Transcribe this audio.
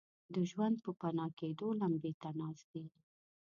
د ژوند پوپناه کېدو لمبې ته ناست دي.